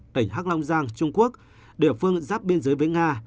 tỉnh hắc long giang trung quốc địa phương giáp biên giới với nga